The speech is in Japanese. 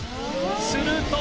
すると